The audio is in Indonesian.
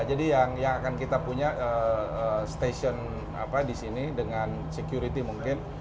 jadi yang akan kita punya stasiun apa di sini dengan security mungkin